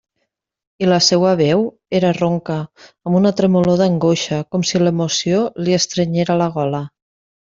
I la seua veu era ronca, amb una tremolor d'angoixa, com si l'emoció li estrenyera la gola.